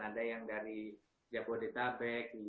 ada yang dari jabodetabek